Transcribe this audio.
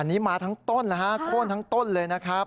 อันนี้มาทั้งต้นนะฮะโค้นทั้งต้นเลยนะครับ